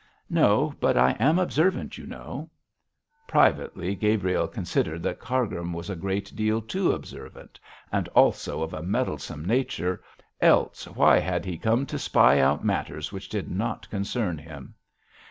'No; but I am observant, you know.' Privately, Gabriel considered that Cargrim was a great deal too observant, and also of a meddlesome nature, else why had he come to spy out matters which did not concern him.